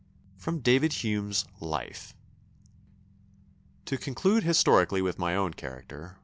[Sidenote: David Hume's Life.] "To conclude historically with my own character.